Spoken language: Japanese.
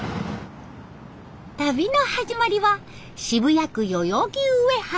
旅の始まりは渋谷区代々木上原。